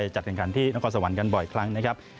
จัดทางการที่น้องพระคอร์สวรรค์กันบ่อยครั้งนะครับ